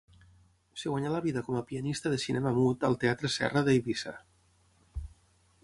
Es guanyà la vida com a pianista de cinema mut al Teatre Serra d'Eivissa.